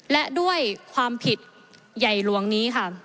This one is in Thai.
และด้วยความผิดใหญ่หลวงนี้ค่ะ